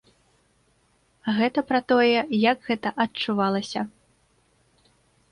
Гэта пра тое, як гэта адчувалася.